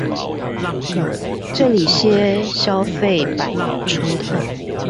這裡些消費百元出頭